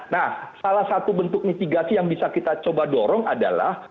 nah salah satu bentuk mitigasi yang bisa kita coba dorong adalah